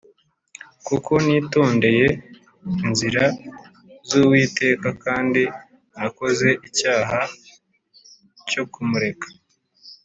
Kuko nitondeye inzira z’uwiteka ,kandi ntakoze icyaha cyo kumureka